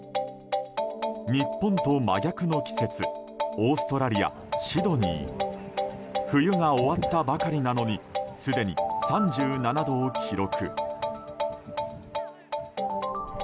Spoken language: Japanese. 日本と真逆の季節オーストラリア・シドニー．冬が終わったばかりなのにすでに３７度を記録。